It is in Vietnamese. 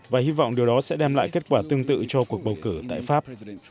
và hy vọng điều đó sẽ đem lại kết quả tương tự cho cuộc bầu cử tại pháp